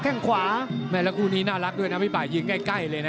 แล้วคู่นี้น่ารักด้วยนะพี่ป่ายยืนใกล้เลยนะ